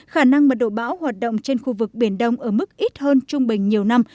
khả năng mật độ bão hoạt động trên khu vực biển đông ở mức ít hơn trung bình nhiều năm